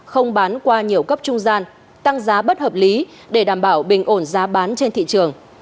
không bán qua nhiều cấp trung gian tăng giá bất hợp lý để đảm bảo bình ổn giá bán trên thị trường